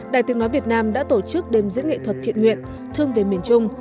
đài tiếng nói việt nam đã tổ chức đêm diễn nghệ thuật thiện nguyện thương về miền trung